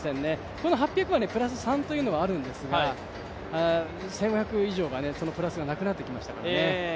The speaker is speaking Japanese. この８００はプラス３というのがあるんですが１５００以上が、そのプラスがなくなってきましたからね。